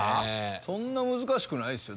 そんな難しくないっすよ